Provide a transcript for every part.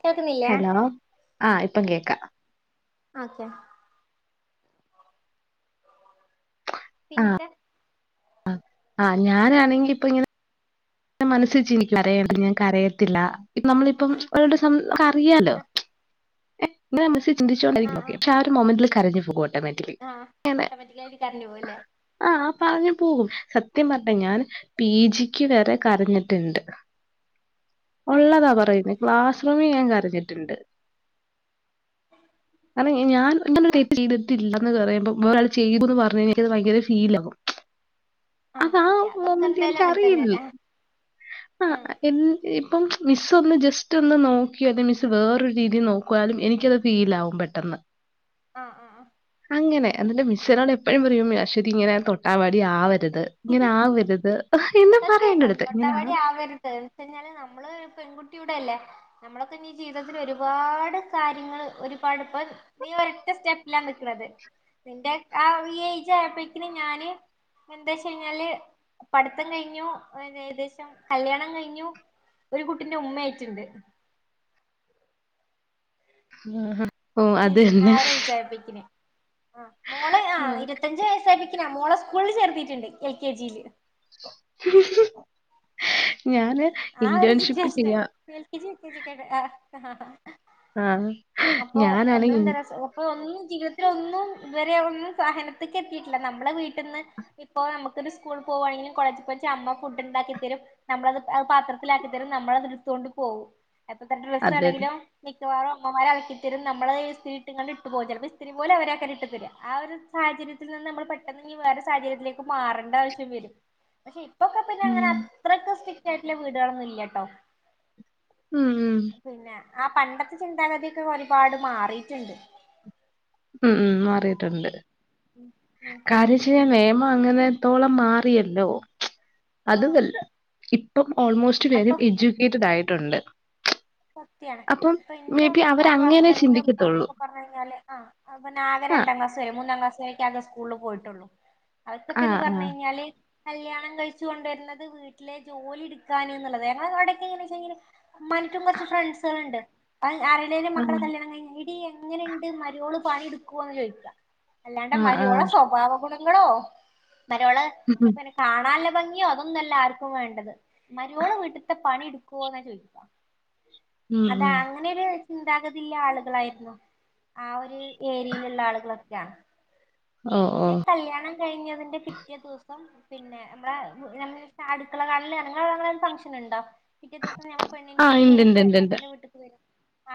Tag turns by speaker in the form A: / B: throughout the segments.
A: കേൾക്കുന്നില്ലേ
B: ഹലോ? ആഹ് ഇപ്പം കേക്കാം.
A: ഓക്കെ. പിന്നെന്താ
B: ആ ഞാൻണെങ്കിൽ ഇപ്പ ഇങ്ങനെ [unintelligible]
A: ആഹ്
B: [unintelligible]
A: ആഹ ഓട്ടോമാറ്റിക്കക് ആയിട്ട് കറഞ്ഞു പോവല്ലേ
B: ആ ആ പറഞ്ഞു പോകും സത്യം പറഞ്ഞെ ഞാൻ പി ജിക്ക് വരെ കരഞ്ഞിട്ടുണ്ട് ഉള്ളതാ പറയുന്നു ക്ലാസ് റൂമിൽ ഞാൻ കരഞ്ഞിട്ടുണ്ട് അത ഞാൻ ചെയ്തിട്ടില്ല എന്ന് പറയുമ്പോ ഒരാൾ ചെയ്തുന്ന് പറഞ്ഞത് ഭയങ്കര ഫീൽ ആകും
A: ആഹ്
B: അതാ
A: സത്യ അത് നമുക്ക്
B: മോമന്റ്
A: എന്തായാലും അങ്ങനെ
B: എനിക്കറിയില്ല
A: തന്നെയല്ലേ
B: ആ
A: ആഹ്
B: ഇപ്പം മിസ് ഒന്ന് ജസ്റ്റ് ഒന്ന് നോക്കി അല്ലെ മിസ് വേറൊരു രീതിയിൽ നോക്കുവാലും എനിക്കത് ഫീൽ ആകും പെട്ടെന്ന്
A: ആ ആ ആ
B: അങ്ങനെ എന്നിട്ട് മിസ്സ്‌ എന്നോട് എപ്പോഴും പറയും അശ്വതി ഇങ്ങനെ തൊട്ടാവാടി ആവരുത് ഇങ്ങനെ ആവരുത് എന്ന് പറയാന്നോര്ത് ഇങ്ങനെ
A: [unintelligible] കഞ്ഞാല് നമ്മള് പെൺകുട്ടിയുടെ അല്ലേ നമ്മളൊക്കെ ഇ ജീവിതത്തിൽ ഒരുപാട് കാര്യങ്ങള് ഒരുപാട് ഇപ്പൊ [unintelligible] നിന്റെ ആ ഈ ഏജ് ആയപ്പോഴക്കിനും ഞാന് ഏകദേശ കഴിഞ്ഞാല് പഠിത്തം കഴിഞ്ഞു ഏ ഏകദേശം കല്ല്യാണം കഴിഞ്ഞു ഒരു കുട്ടിന്റെ ഉമ്മ ആയിട്ടുണ്ട്
B: ഹ്മ്മ്
A: ആരഴച്ചപ്പിക്കിന് ആ മോള് ആ ഇരുത്തിയഞ്ച് വയസായിപ്പിക്കിന മോളെ സ്കൂളിൽ ചേർത്തിട്ടുണ്ട് എൽ കെ ജിയില്
B: ഞാന്
A: ആ ഒരു
B: ഇന്റേൺഷിപ്പ്
A: സിറ്റുവേഷനാ
B: ചെയ്യാ ആ
A: അപ്പൊ
B: ഞാനാണ്
A: നമ്മളന്ത
B: ഇൻ-
A: അപ്പ ഒന്നും ജീവിതത്തിലോന്നും ഇവരെ ഒന്നും സാഹനത്തക്ക് എത്തിയിട്ടില്ല നമ്മളെ വീട്ടിൽന്ന് ഇപ്പൊ നമുക്കൊരു സ്കൂൾ പോകവാണെങ്കിലും കോളേജിൽ പോയി അമ്മ പുഡ് ണ്ടാക്കി തരും നമ്മളത് അത് പാത്രത്തിലാക്കിത്തരും നമ്മളത് ഇട്ട് ത്തോണ്ട് പോകും എത്രത്ര ഡ്രസ്
B: അത് തന്നെ.
A: ആണെങ്കിലോ മിക്കവാറും അമ്മമാര് അലക്കി തരും. നമ്മള് ഇസ്തിരി ഇട്ട് ഇങ്ങട്ട് പേരും. ചില- എസ്ത്രിരി പോലുംഅവരാണ് ഇട്ടുതരുക ആ ഒരു സാഹചര്യത്തിൽ നിന്ന് നമ്മൾ പെട്ടെന്ന് വേറെ സാഹചര്യത്തിലേക്ക് മാറേണ്ട ആവശ്യം വരും. പക്ഷെ ഇപ്പൊക്കെ പിന്നെ അങ്ങനെ
B: ഉം.
A: അത്രക്കെ സ്ട്രിക്ട് ആയിട്ടുള്ള വീടുകളൊന്നും ഇല്ലട്ടോ.
B: ഉം ഉം
A: പിന്നെ ആ പണ്ടത്തെ ചിന്താഗതിയൊക്കെ ഒരുപാട് മാറിയിട്ടുണ്ട്.
B: ഉം ഉം മാറിയിട്ടുണ്ട്
A: ഉം
B: കാര്യം ച്ച് നിയമം അങ്ങനെ ത്തോളം മാറിയല്ലോ
A: ആഹ്
B: അതുമല്ല ഇപ്പം ഓൾമോസ്റ്റ്
A: അപ്പൊ
B: ച്ച്പേരും എഡ്യൂക്കേറ്റഡ് ആയിട്ടുണ്ട്.
A: സത്യാണ്
B: അപ്പം
A: ഇപ്പൊ
B: മേ
A: എന്റെ
B: ബി
A: ഉമ്മ
B: അവരങ്ങനെ
A: ഹസ്ബൻഡിന്റെ
B: ചിന്തിക്കത്തൊള്ളൂ.
A: ഉമ്മഎന്നൊക്കെ പറഞ്ഞു കഴിഞ്ഞാല് ആ അപ്പൊ ആക
B: ആഹ്
A: രണ്ടാം ക്ലാസ് വരെ മൂന്നാം ക്ലാസ് വരെ ആകെ സ്കൂളിൽ പോയിട്ടുള്ളൂ. അവക്കൊക്കെ എന്ന്
B: ആഹ്
A: പറഞ്ഞു കഴിഞ്ഞാല് കല്യാണം കഴിച്ചു കൊണ്ടുവരുന്നത് വീട്ടിലെ ജോലി എടുക്കാനും എന്നുള്ളത് കാരണം അവിടൊക്കെഎങ്ങനെവെച്ച ഉമ്മാനിക്കും കുറച്ച് ഫ്രണ്ട്സുകളുണ്ട്. ആരുടേലും
B: ആഹ്.
A: മക്കളെ കല്യാണം കഴിഞ്ഞ് എങ്ങനെ ഉണ്ട് മരുമോള്പണി എടുക്കന്ന് ചോദിക്ക. അല്ലാണ്ട്
B: ആഹ് ആഹ്
A: മരുമോളുടെ
B: ആഹ്.
A: സ്വഭാവ ഗുണ ങ്ങളോ മരുമോള്
B: ഉം ഉം
A: പിന്നെ കാണല്ല ഭംഗിയോ അതൊന്നല്ല ആർക്കും വേണ്ടത് മരുമോള് വീട്ടിലത്തെ പണി എടുക്കുവോന്നാ ചോയിക്കാ
B: ഉം
A: അതാ
B: ഉം.
A: അങ്ങനെരു ചിന്താഗതില്ല ആളുകളായിരുന്നു ആഹ് ഒരു ഏരിയായിലുള്ള ആളുകളൊ - - ല്ല
B: ഓഹ്
A: എന്റെ
B: ഓഹ്.
A: കല്യാണം കഴിഞ്ഞതിന്റെ പിറ്റേ ദിവസം പിന്നെ നമ്മടെ അടുക്കളകാണല് അങ്ങനെ ഫംഗ്ഷൻ ഉണ്ടോ? പിറ്റേ ദിവസം ഞങ്ങള് പെണ്ണിന്റെ
B: ആഹ്
A: വീട്ടുകാരൊക്കെ
B: ഇണ്ട്ണ്ട്ണ്ട്ണ്ട്.
A: ചെക്കന്റെ വീട്ടിലേക്ക് വരും.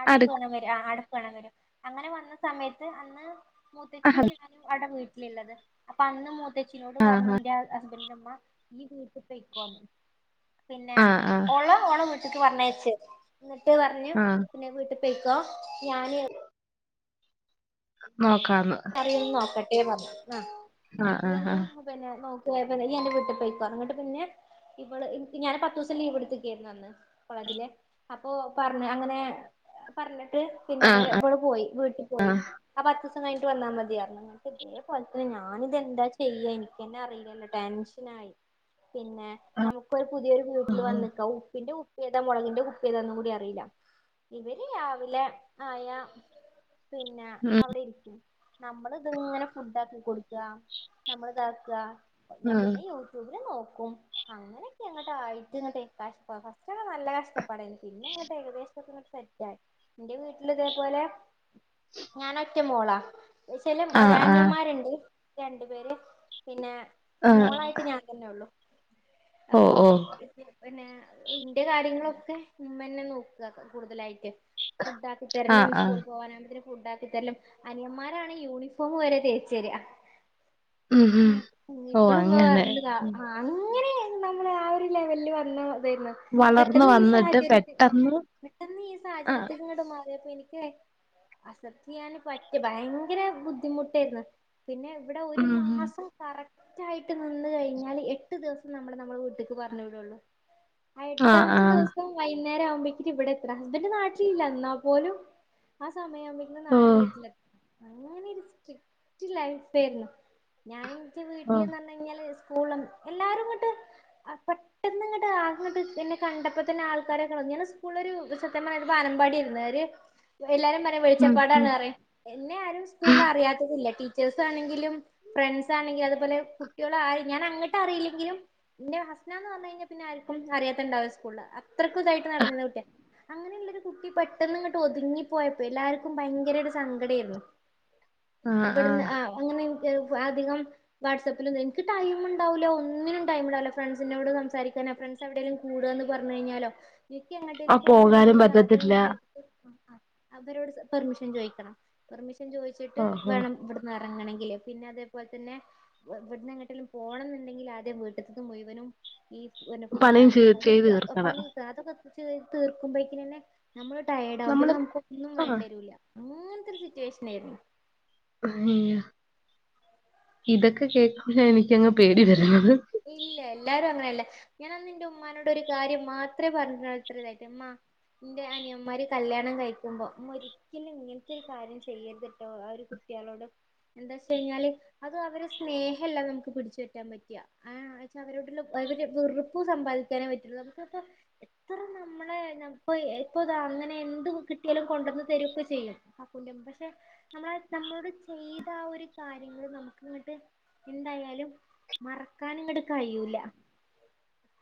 A: അടുപ്പ്
B: അടുക്ക്
A: അങ്ങനെ അടുപ്പു കാണാൻ വരും. അങ്ങനെ വന്ന സമയത്ത് അന്ന് മുത്തേച്ചിയു ഞാനു അവിടെ വീ ള്ളത് അപ്പൊ അന്ന് മൂത്തച്ചിനോട് പറഞ്ഞുന്റെ ഹസ്ബൻഡന്റെ ഉമ്മ ഈ വീട്ട് യ്ക്കോ പിന്നെ
B: ആഹ് ആഹ്
A: ഓളെ ഓളുടെ വീട്ടിക്ക് പറഞ്ഞയച്ച് എന്നിട്ട് പറഞ്ഞു
B: ആഹ്
A: പിന്നെ വീട്ട്ക്ക് പോയിക്കോ ഞാന്
B: നോക്കാന്ന്.
A: നോക്കട്ടെ പറഞ്ഞു ആഹ്
B: ആഹ് ആഹ് ആഹ്.
A: [unintelligible] പിന്നെ നോക്ക യ് എന്റെ വീട്ടിൽ പോയ്ക്കോ ങ്ങട്ട് പിന്നെ ഇവള് ഞാൻ പത്ത്ദിവസം ലീവ് എടുത്തെക്കായിരുന്നു അന്ന്. കോളേജിലെ അപ്പൊ പറഞ്ഞ് അങ്ങനെ പറഞ്ഞിട്ട് പിന്നെ
B: ആഹ്
A: ഇവര് ഇവിടെ പോയി വീട്ടിൽ പോയി ആ പത്ത്ദിവസം കഴിഞ്ഞിട്ട് വന്നാ മതിയായിരുന്നു. ഇന്ക്ക് ഇതേപോല തന്നെ ഞാനിതെന്താ ചെയ്യാ എനിക്ക് തന്നെ അറിയില്ലല്ലോ ടെൻഷൻ ആയി. പിന്നെ നമുക്കൊരു പുതിയൊരു വീട്ടിൽ
B: ആഹ്.
A: വന്ന് നിൽക്കാം. ഉപ്പിന്റെ ഉ ഏതാ മുളകിന്റെ കുപ്പി ഏതാന്നു കൂടി അറിയില്ല ഇവര് രാവിലെ ആയാ പിന്നെ
B: ഉം
A: അവിടെ ഇരിക്കും. നമ്മൾ ഇത്ങ്ങനെ ഫുഡ് ആക്കി കൊടുക്ക. നമ്മള് ഇതാക്ക ഞാൻ
B: ഉം.
A: പിന്നെ ജോ നോക്കും അങ്ങനെയൊക്കെ അയിട്ടങ്ങട്ടെങ്ങട്ടെ കഷ്ടത നല്ല കഷ്ട പടയ പിന്നെ ഇങ്ങട്ട് ഏകദേശങ്ങട്ടേ ഇന്റെ വീട്ടില് ഇതേപോലെ ഞാൻ ഒറ്റ മോളാ. ച്ചലും
B: ആഹ് ആഹ്.
A: അനിയന്മാരുണ്ട് രണ്ടു പേര്. പിന്നെ
B: ആഹ്
A: മോളായിട്ട് ഞാൻ തന്നെ ഉള്ളു
B: ഓഹ്
A: അപ്പോ
B: ഓഹ്.
A: പിന്നെ ഇന്റെ കാര്യങ്ങളൊക്കെ ഉമ്മതന്നെ നോക്ക കൂടുതലായിട്ട്. ഫുഡ് ആക്കി തരലും
B: ആഹ് ആഹ്.
A: സ്കൂൾ പോകാനാവുമ്പോന് ഫുഡ് ആക്കി തരലും അനിയന്മാരാ യൂണിഫോം വരെ തേച്ച് തര.
B: ഉം ഉം. ഓഹ്
A: ഇപ്പളും ഉമ്മ
B: അങ്ങനെ.
A: പറഞ്ഞതാ ആഹ് അങ്ങനെ നമ്മള് ആഹ് ഒരു ലെവലില് വന്ന തരുന്നു
B: വളർന്ന്
A: പെട്ടെന്ന് ഈ
B: വന്നിട്ട്
A: സാഹചര്യത്തി ആഹ്
B: പെട്ടെന്ന്
A: പെട്ടെന്ന് ഈ
B: ആഹ്
A: സാഹചര്യത്തി അങ്ങട് മാറിയപ്പൊ എനിക്ക് അസപ്റ്റ് ചെയ്യാന് പറ്റ ഭയങ്കര ബുദ്ധിമുട്ടായിരുന്നു. പിന്നെ ഇവിടെ ഒരു
B: ഉം ഉം.
A: മാസം കറക് തായിട്ട് നിന്ന് കഴിഞ്ഞാൽ എട്ട് ദിവസം നമ്മൾ നമ്മുടെ വീട്ട്ക്ക് പറഞ്ഞു വിടള്ളൂ. ആഹ് എട്ടാമത്തെ ദിവസം വൈകുന്നേരാവുമ്പോക്കും ഇവിടെ എത്തണം ഹസ്ബൻഡ് നാട്ടിലില്ല എന്നാ പോലും ആഹ് സമയം ആവുമ്പയേത്ത് നാ
B: ഓഹ്
A: വീട്ടിലെ സ്ട്രിപ്റ്റ് ലൈഫേര്ന്നു ഞാന് ഇന്റെ
B: ഓഹ്.
A: വീട്ട്ല്ന്നറ് ഞ്ഞാല് സ്കൂളും എല്ലാരുംങ്ങട്ട് പെട്ടെന്ന് ഇങ്ങട്ട് ആകെങ്ങട്ട് എന്നെ കണ്ടപ്പ തന്നെ ആൾക്കാരെക്കെ ഇങ്ങനെ സ്കൂൾലൊരു ഒരു ചെക്കനായിട്ട് ബാനമ്പാടിരുന്നു അവര് എല്ലാരും പറിം
B: ഉം ഉം.
A: വെളിച്ചപ്പാടാണറിം ഇന്നെ ആരും സ്കൂൾല് അറിയാത്തതില്ല ടീച്ചേഴ്സ് ആണെങ്കിലും ഫ്രണ്ട്സ് ആണെങ്കില് അത്പോലെ കുട്ടിയോളായി ഞാൻ അങ്ങട്ട് അറിയില്ലെങ്കിലും ഇന്നെ ഹസ്ന എന്ന് പറഞ്ഞു കഴിഞ്ഞാ പിന്നെ ആർക്കും അറിയാത്തണ്ടാവൂല സ്കൂള് അത്രക്കൂ ഇതായിട്ട് നടന്നീന കുട്ടിയ അങ്ങനെയുള്ളരു കുട്ടി പെട്ടെന്ന് ഇങ്ങട്ട് ഒതുങ്ങി പോയപ്പോ എല്ലാർക്കും ഭയങ്കരരു സ ങ്കടേര്ന്നു
B: ആഹ്
A: ഇവട്ന്ന്
B: ആഹ്.
A: അ അങ്ങനെ അധികം വാട്സപ്പിലും ഇതിലും ഇൻക്ക് ടൈം ഇണ്ടാവൂല്ല ഒന്നിനും ടൈം ഇണ്ടാവൂല്ല ഫ്രണ്ട്സിനോട് സംസാരിക്കാനൊ ഫ്രെണ്ട്സ് എവിടേലും കൂടാന്ന് പറ്ഞ്ഞഴിഞ്ഞാലോ എനിക്ക് എങ്ങടേലും
B: ആഹ് പോകാനും
A: പോണന്നുണ്ടെങ്കില് ആദ്യം
B: പറ്റത്തില്ല.
A: ഈ കുര്പ്പ് ആഹ് അവരോട് പെർമിഷൻ ചോയിക്കണം പെർമിഷൻ ചോയിച്ചിട്ട്
B: ഓഹ് ഓഹ്.
A: വേണം ഇവിട്ന്ന് എറങ്ങണങ്കില് പിന്നെ അതേപോലെ തന്നെ ഇവിട്ന്ന് എങ്ങട്ടേലും പോണംന്നുണ്ടെങ്കിൽ ആദ്യം വീട്ട്ത്ത്ത്ത് മുഴുവനും ഈ വര്ന ഫുഡ്
B: പണിയും
A: ഇണ്ടാക്കല്
B: ചെയ്
A: താക്കലും
B: ചെയ്ത്
A: അതൊക്കെ
B: തീർക്കണം
A: പണി അതൊക്കെ തീർക്കുമ്പഴേക്കിനന്നെ നമ്മള് ട്ടയേഡ് ആകും പിന്നെ
B: നമ്മള്
A: നമുക്ക് ഒന്നും
B: ആഹ്
A: വേണ്ടിരൂല്ല അങ്ങൻത്തെരു സിറ്റുവേഷനായിരുന്നു
B: അയ്യോ ഇതൊക്കെ കേക്കുമ്പ എനിക്കങ്ങ് പേടി വരുന്നത്
A: ഇല്ല എല്ലാരും അങ്ങനെല്ല ഞാന് അന്ന് ഇന്റെ ഉമ്മാനോട് ഒരു കാര്യം മാത്രേ പറഞ്ഞത്രതായിട്ട് ഇമ്മാ ഇന്റെ അനിയന്മാര് കല്യാണം കഴിക്കുമ്പോ ഉമ്മ ഒരിക്കലും ഒരിക്കലും ഇങ്ങനത്തെ ഒരു കാര്യം ചെയ്യരുത്ട്ടോ ആഹ് ഒരു കുട്ടിയാളോട് എന്താച്ച്കഴിഞ്ഞാല് അത് അവരെ സ്നേഹല്ല നമമ്മക്ക് പിടിച്ചുപറ്റാൻ പറ്റാ ആഹ്ച്ചാ അവരോടുള്ള ഒര് വെറുപ്പ് സമ്പാദിക്കാനേ പറ്റുള്ളൂ നമുക്കിപ്പ എത്ര നമ്മളെ ഇപ്പതാ അങ്ങനെ എന്ത് കിട്ടിയാലും കൊണ്ടന്ന് തരുക്കെ ചെയ്യും കാകൂന്റെമ്മ പഷെ നമ്മൾ നമ്മളോട് ചെയ്ത ആഹ് ഒരു കാര്യങ്ങൾ നമുക്ക്ങ്ങട്ട് ഇണ്ടായാ എന്നാലും മറക്കാന്ങ്ങട്ട് കയ്യൂല.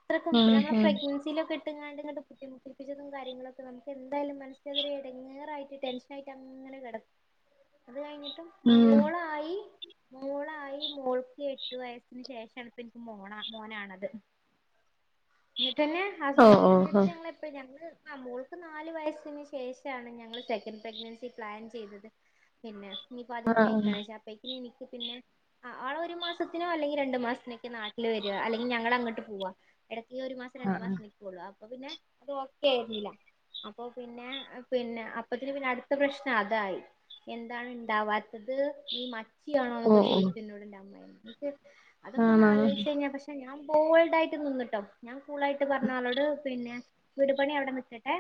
A: അത്രക്കും
B: ഉം
A: ഞങ്ങളെ
B: ഉം
A: പ്രേഗ്നെൻസി പ്രേഗ്നെൻസിലൊക്കെട്ട്ങ്ങാണ്ട്ട്ട് ബുദ്ധിമുട്ടിപ്പിച്ചതും കാര്യങ്ങളൊക്കെ നമുക്ക് എന്തായാലും മനസ്സിനതൊരു എടങ്ങേറായിട്ട് ടെൻഷ ടെൻഷനായിട്ടങ്ങനെ കെടക്കും അത് കഴിഞ്ഞിട്ട് കഴിഞ്ഞിട്ടും
B: ഉം
A: മോളായി മോളായി മോൾക്ക് ക്ക് എട്ടു വയസ്സിന് ശേഷാണ് ഇപ്പൻക്ക് മോണ മോനാണത് ഇന്നിട്ടന്നെ
B: ഓ ഓ ഓ
A: ഹസ്ബന്റിന്റെട്ത്ത് ഞങ്ങള് എപ്പയും ഇപ്പ ഞങ്ങ് ആഹ് മോൾക്ക് നാല് വയസിന് ശേഷാണ് ഞങ്ങള് സെക്കൻഡ് പ്രഗ്നൻസി പ്ലാൻ ചെയ്തത് പിന്നെ ഇനിപ്പ അധികം
B: ആഹ്
A: വൈക്കണ അപ്പയ്ക്ക്ന് എനിക്ക് പിന്നെ ആഹ് ആള് ഒരു മാസത്തിനോ അല്ലെങ്കി രണ്ടു മാസത്തിനൊക്കെ നാട്ടില് വരാ അല്ലെങ്കി ഞങ്ങള് അങ്ങട്ട് പോവാ ഇടയ്ക്ക് ഈ ഒരു മാസം രണ്ടു
B: ആഹ്
A: മാസം നിക്കൊള്ളു അപ്പൊ പിന്നെ അത് ഓക്കെ ആയിരുന്നില്ല അപ്പൊ പിന്നെ പിന്നെ അപ്പത്തിന് പിന്നെ അടുത്ത പ്രശ്നം അതായി എന്താണ് ഇണ്ടാവാത്തത് നീ മച്ചിയാണോ
B: ഓ
A: ന്നൊക്കെ
B: ഓ
A: ചോയിച്ചു എന്നോട് ഇന്റെ അമ്മായിമ്മ അതൊക്കൊന്ന്
B: ആണോ
A: ആലോയിച്ചഴിഞ്ഞാ പഷെ ഞാൻ ബോൾഡായിട്ട് നിന്ന്ട്ടോ ഞാൻ കൂളായിട്ട് പറഞ്ഞ് ആളോട് പിന്നെ വീട് പണി അവ്ടെ നിക്കട്ടെ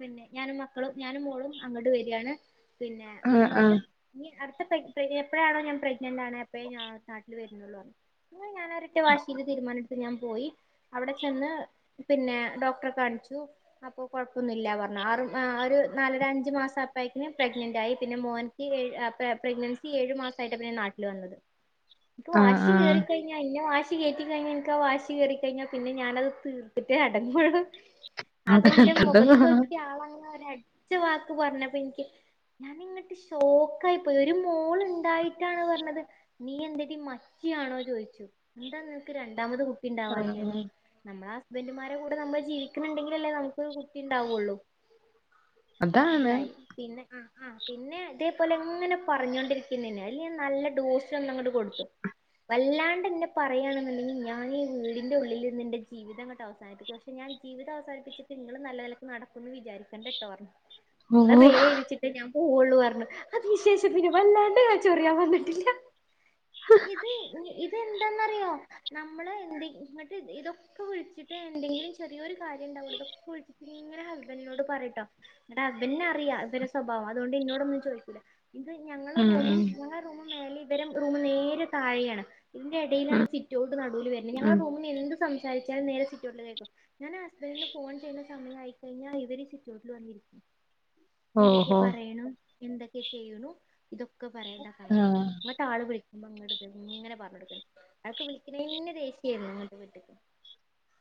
A: പിന്നെ ഞാനും മക്കളും ഞാനും മോളും അങ്ങട്ട് വരാണ് പിന്നെ
B: ആഹ്
A: ഇന്നിട്ട്
B: ആഹ്
A: ഇനി അട്ത്ത പ്രഗ്നി എപ്പഴാണോ ഞാൻ പ്രെഗ്നന്റ് ആവ്ണ് അപ്പഴേ ഞാൻ നാട്ടില് വര്ന്നൊള്ളൂ അന്ന് ഞാനാ ഒരറ്റ വാശില് തീരുമാനട്ത്ത് ഞാൻ പോയി അവിടെ ചെന്ന് പിന്നെ ഡോക്ടറെ കാണിച്ചു അപ്പൊ കൊഴപ്പൊന്നുല്ല പറഞ്ഞു ആറ് ഒരു നാലര അഞ്ചു മാസപ്പയേക്ക്ന് പ്രഗ്നന്റ് ആയി പിന്നെ മോൻ ക്ക് പ്രഗ്നൻസി ഏഴു മാസായിട്ടാ പിന്നെ നാട്ടില് വന്നത് ഇപ്പൊ
B: ആഹ്
A: വാശി
B: ആഹ്
A: ക്കേറിക്കഴിഞ്ഞാ ഇന്നെ വാശി കേറ്റി കഴിഞ്ഞാൽ എനിക്കാ വാശി കേറിക്കഴിഞാ പിന്നെ ഞാനത് തീർത്തിട്ടെ അടങ്ങുള്ളൂ അത് ന്റെ
B: അതിനകത്തുണ്ട്
A: മുഖത്തൊക്കി ആളങ്ങനെ ഒരു അടിച്ച വാക്ക് പറഞ്ഞപ്പ ഇൻക്ക് ഞാനിങ്ങട്ട് ഷോക്കായി പ്പോയി ഒരു മോളുണ്ടായിട്ടാണ് പറഞ്ഞത് നീ എന്തെടി മച്ചിയാണോ ചോയിച്ചു എന്താ നിനക്ക് രണ്ടാമത് കുട്ടി ണ്ടാവാത്തെ നമ്മളെ ഹസ്ബന്റ് മാരെ കൂടെ നമ്മള് ജീവിക്കുന്നുണ്ടെങ്കിലല്ലേ നമുക്ക് കുട്ടി ഉണ്ടാവുള്ളു
B: അതാണ്
A: അതായി പിന്നെ ആഹ് ആഹ് ആ പിന്നെ അതേപോലെ ഇങ്ങനെ പറഞ്ഞോണ്ടിരിക്കുന്നന്നേ ആയില് ഞാൻ നല്ല ഡോസങ്ങോട്ട് കൊടുത്തു വല്ലാണ്ടന്നെ പറയാണെന്നുണ്ടെങ്കില് ഞാൻ ഈ വീടിന്റെ ഉള്ളില് നിന്റെ ജീവിതങ്ങട്ട് അവസാനിപ്പിക്കും പക്ഷേ ഞാൻ ജീവിതം അവസാനിപ്പിച്ചിട്ട് നിങ്ങള് നല്ല നിലക്ക്നടക്കുന്ന് വിചാരിക്കണ്ട ട്ടോ പറഞു
B: ഉ
A: നിങ്ങളെ പേരെഴുതിവെച്ചിട്ടേ ഞാൻ പോവുള്ളുന്ന് പറഞ്ഞു അതിന് ശേഷം പിന്നെ വല്ലാണ്ട് ച്ചൊറിയാൻ വന്നിട്ടില്ല ഇത് ഇതെന്താന്നറിയോ നമ്മള് എന്തട്ട് ഇതൊക്കെ വിളിച്ചിട്ട് എന്തെങ്കിലും ചെറിയോരു കാര്യം ഉണ്ടാവുള്ളൂ ഇത് ഫുൾ ഇങ്ങനെ ഹസ്ബന്റിനോട് പറയുംട്ടോ എന്നിട്ട് അതിന് അറിയാം ഇവരെ സ്വഭാവം അതുകൊണ്ട് എന്നോടൊന്നും ചോദിക്കൂല്ല ഇത് ഞങ്ങളെ
B: ഉം
A: റൂമും
B: ഉം
A: ഞങ്ങളുടെ റൂമ് മേലേം ഇവരെ റൂം നേരെതാഴെയാണ് ഇതിന്റെ ഇടയിലാണ്
B: ഉം
A: സിറ്റോട്ട് നടൂല് വരുന്നെ ഞങ്ങൾ
B: ഉം
A: റൂമിന്ന് എന്ത് സംസാരിച്ചാലും നേരെ സിറ്റൗട്ടില് കേൾക്കും ഞാൻ ഹസ്ബന്റിനെ ഫോൺ ചെയ്യുന്ന സമയ ആയിക്കഴിഞ്ഞാൽ ഇവര് സിറ്റൗട്ടില് വന്നിരിക്കും എന്തൊക്കെ
B: ഓഹോ
A: പറയണം എന്തൊക്കെ ചെയ്യണു ഇതൊക്കെ പറയുണ്ടാക്കാൻ
B: ആഹ്
A: വേണ്ടിട്ട് ആള് വിളിക്കുമ്പോ അങ്ങട് ദിങ്ങനെ പറഞ്ഞടുക്കണ് ആൾക്ക്‌ വിളിക്കണന്നെ ദേഷ്യായിരുന്നു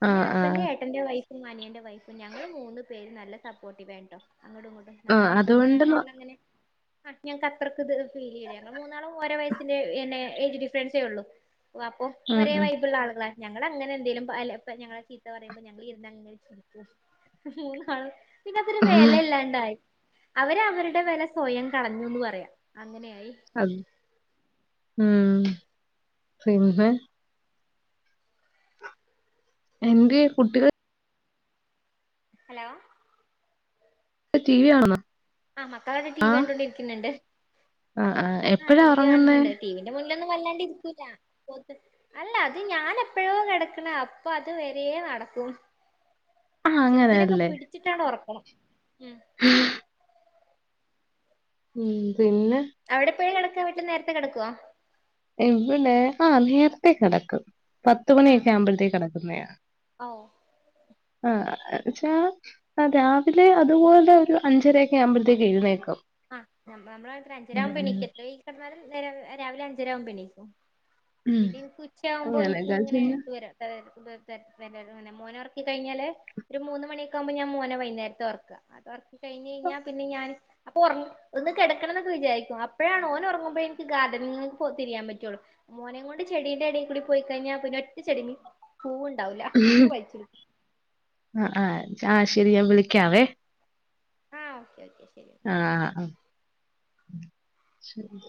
A: പിന്നെ
B: ആഹ്
A: ഹസ്ബന്റ്
B: ആഹ്
A: ഏട്ടന്റെ വൈ ഫും അനിയന്റെ വൈഫും ഞങ്ങള് മൂന്ന് പേര് നല്ല സപ്പോർട്ടീവാട്ടോ അങ്ങോട്ടും ഇങ്ങോട്ട്
B: ആഹ്
A: അങ്ങനെ അങ്ങനെ
B: അതുകൊണ്ട് ന
A: എല്ലം അങ്ങനെ ആ ഞങ്ങക്ക് അത്രക്ക് ഇത് ഫീൽ ചെയ്യില്ല ങ്ങങ്ങള് മൂന്നാളും ഓരോ വയസിന്റെ എന്നെ ഏയ്ജ് ഡിഫറൻസേ ഉള്ളു അപ്പൊ
B: ഉം
A: ഒരേ
B: ഉം
A: വൈബുള്ള ആളുകളാ അങ്ങളെ അങ്ങനെ എന്തേലും അ ഞങ്ങള ചീത്ത പറയുമ്പോ ഞങ്ങള് ഇരുന്നങ് ക്കും മൂന്നാളും പിന്നെ അതൊരു
B: ഉം
A: വെല ഇല്ലാണ്ടായി അവര് അവരുടെ വെല സ്വയം കളഞ്ഞുന്ന് പറയാ അങ്ങനെയായി
B: അത് മം പിന്നെ എന്തിയെ കുട്ടികൾ
A: ഹലോ
B: ടി വി കാണുന്ന
A: ആ മക്കളൊക്കെ ടി വി കണ്ടോണ്ടിരിക്കുന്നുണ്ട്
B: ആഹ് ആഹ്
A: ആ
B: എപ്പഴാ
A: ടി വി
B: ഒറങ്ങുന്നേ
A: കാണുന്നുണ്ട് ടി വി എന്റെ മുന്നിലൊന്നും വല്ലാണ്ട് ഇരിക്കൂല്ല പോ അല്ല അത് ഞാൻ എപ്പോഴോ നടക്കണ അപ്പൊ അത് വരേ നടക്കും
B: ആ
A: ചെറുതിനിനൊക്കെ
B: അങ്ങനെയല്ലേ
A: പിടിച്ചിട്ടാണ് ഉറക്കണം ഉം
B: ഉം പിന്നെ
A: അവിടെപ്പോഴാ കിടക്കാ വീട്ടിൽ നേരത്തെ കെടക്കോ
B: ഇവിടെ ആ നേരത്തേ കിടക്കും
A: ആഹ്
B: പത്തുമണിയൊക്കെ ആവുമ്പോഴത്തേക്ക്‌ കിടക്കുന്നയാ
A: ഓ
B: ആഹ ച്ചാ ആ രാവിലെ അതുപോലൊരു അഞ്ചരെക്കെ ആവുമ്പോഴത്തേക്ക് എഴുന്നേക്കും
A: ആ നമ്മളാടത്ര
B: ഉം
A: അഞ്ചരാകുമ്പ
B: ഉം
A: എണീക്കും സുബ്ഹിക്ക് കിടന്നാലും രാവിലെ അഞ്ചരാകുമ്പോ എണീക്കും
B: ഉം
A: പിന്നെ എനിക്ക് ഉച്ചയാവുമ്പോ
B: അങ്ങനെയൊക്കെ
A: എനിക്കിങനെ
B: പിന്നെ
A: ഉയരാം മോനെ ഉറക്കി കഴിഞ്ഞാല് ഒരു മൂന്ന് മണിയൊക്കെയാകുമ്പോ ഞാൻ മോനെ വൈകുന്നേരത്ത് ഉറക്ക അത്ക്കഴിഞ് കഴിഞ്ഞാ പിന്ന ഞാൻ അപ്പൊ ഒറങ്ങും ഒന്ന് കിടക്കണന്നൊക്കെ വിചാരിക്കും അപ്പോഴാണ് ഓൻ ഉറങ്ങുമ്പോൾ എനിക്ക് ഗാർഡനിങ് പോ തിരിയാൻ പറ്റുള്ളു മോനേം കൊണ്ട് ചെടീന്റെടയിൽ കൂടി പോയി കഴിഞ്ഞാൽ പിന്നെ ഒറ്റ ചെടിമ് പൂവുണ്ടാവൂല്ല ഒക്കെ വലിച്ചിടും
B: ആ ആഹ് ആ ശരി ഞാൻ വിളിക്കാവേ
A: ആഹ് ഓക്കെ ഓക്കെ ശരി
B: ആ ഉം ശരി